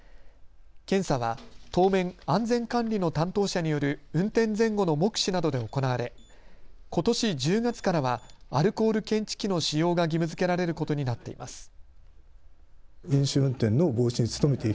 検査は当面、安全管理の担当者による運転前後の目視などで行われことし１０月からはアルコール検知器の使用が義務づけられることになっています。